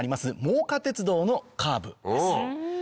真岡鐵道のカーブです。